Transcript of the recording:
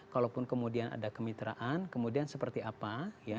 kalaupun kemudian ada kemitraan kemudian seperti apa